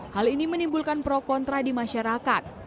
hal ini menimbulkan pro kontra di masyarakat